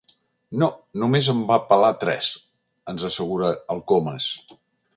No, només en va pelar tres —ens assegura el Comas—.